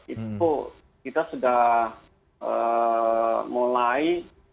itu kita sudah mulai